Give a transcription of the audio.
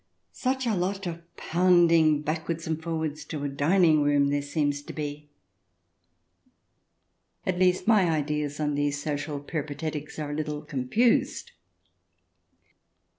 Such a lot of pounding backwards and forwards to a dining room there seems to be ! At least my ideas on these social peripatetics are a little confused.